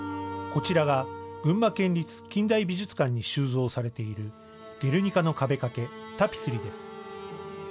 こちらが群馬県立近代美術館に収蔵されているゲルニカの壁掛け・タピスリです。